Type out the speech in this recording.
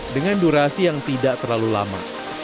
dengan durasi yang tidak terlalu lama